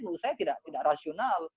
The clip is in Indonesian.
menurut saya tidak rasional